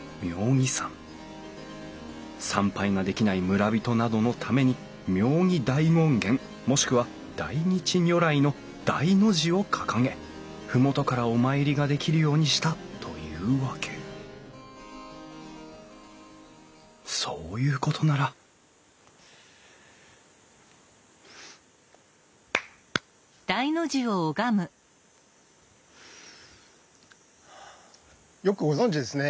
参拝ができない村人などのために妙義大権現もしくは大日如来の大の字を掲げ麓からお参りができるようにしたというわけそういうことならよくご存じですね。